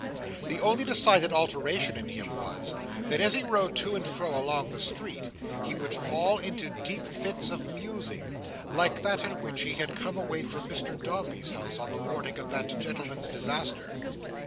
The only decided alteration in him was, that as he rode to and fro along the streets, he would fall into deep fits of musing, like that in which he had come away from Mr Dombey's house, on the morning of that gentleman's disaster.